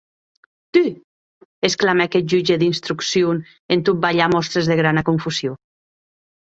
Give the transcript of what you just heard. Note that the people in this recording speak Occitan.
Tu?, exclamèc eth jutge d’instrucción, en tot balhar mòstres de grana confusion.